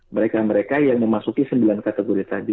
mereka mereka yang memasuki sembilan kategori tadi